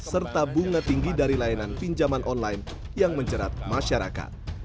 serta bunga tinggi dari layanan pinjaman online yang menjerat masyarakat